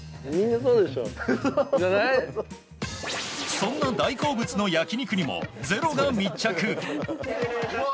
そんな大好物の焼き肉にも「ｚｅｒｏ」が密着！